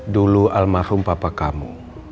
dulu almarhum papa kamu